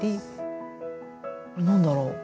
何だろう？